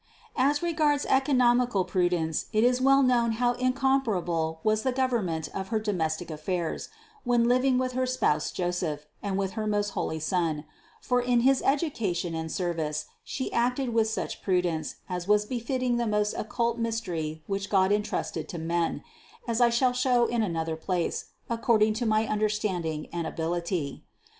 As regards economical prudence it is well known how in comparable was the government of her domestic affairs, THE CONCEPTION 421 when living with her spouse Joseph and with her most holy Son ; for in his education and service She acted with such prudence as was befitting the most occult mystery which God entrusted to men, as I shall show in another place, according to my understanding and ability.